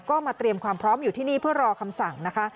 ก็มาเตรียมความพร้อมอยู่ที่นี่เพื่อรอคำสั่งนะคะ